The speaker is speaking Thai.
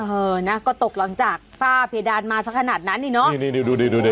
เออนะก็ตกหลังจากป้าเพดานมาสักขนาดนั้นเนี่ยเนาะดู